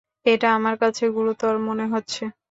এটা আমার কাছে গুরুতর মনে হচ্ছে।